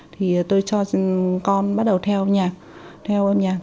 thì tôi cho con bắt đầu theo âm nhạc